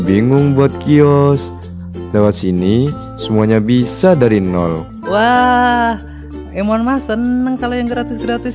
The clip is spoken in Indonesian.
bingung buat kios lewat sini semuanya bisa dari nol wah emon mas tenang kalau yang gratis gratis